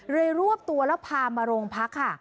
รวบตัวแล้วพามาโรงพักค่ะ